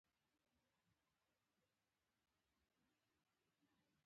په ږیره کې یې سپین زیات دي.